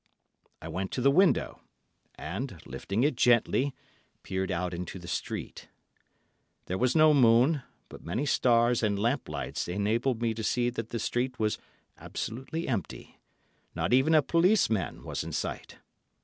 I went to the window, and, lifting it gently, peered out into the street. There was no moon, but many stars and lamp lights enabled me to see that the street was absolutely empty—not even a policeman was in sight.